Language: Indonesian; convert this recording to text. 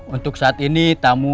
untuk saat ini tamu